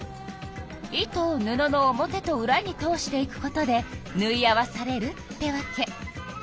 糸を布の表とうらに通していくことでぬい合わされるってわけ。